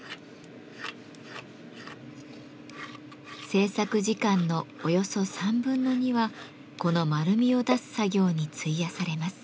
制作時間のおよそ３分の２はこの丸みを出す作業に費やされます。